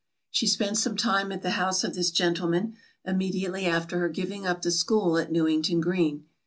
She spent some time at the house of this gentleman, immediately after her giving up the school at Newington Green.